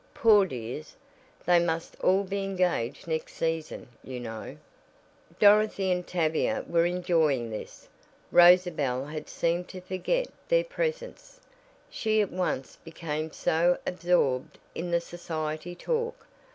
Poor dears, they must all be engaged next season, you know." Dorothy and Tavia were enjoying this, Rosabel had seemed to forget their presence, she at once became so absorbed in the society talk.